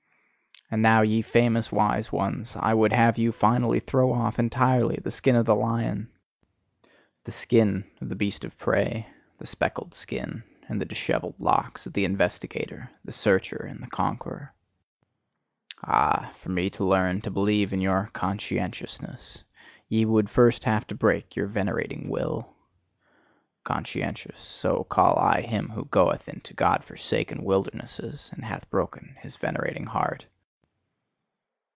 And now, ye famous wise ones, I would have you finally throw off entirely the skin of the lion! The skin of the beast of prey, the speckled skin, and the dishevelled locks of the investigator, the searcher, and the conqueror! Ah! for me to learn to believe in your "conscientiousness," ye would first have to break your venerating will. Conscientious so call I him who goeth into God forsaken wildernesses, and hath broken his venerating heart.